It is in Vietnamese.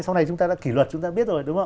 sau này chúng ta đã kỷ luật chúng ta biết rồi